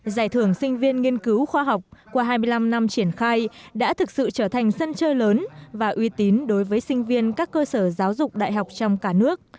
giải thưởng sinh viên nghiên cứu khoa học qua hai mươi năm năm triển khai đã thực sự trở thành sân chơi lớn và uy tín đối với sinh viên các cơ sở giáo dục đại học trong cả nước